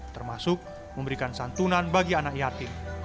termasuk memberikan santunan bagi anak yatim